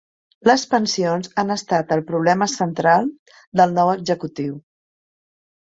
Les pensions han estat el problema central del nou executiu.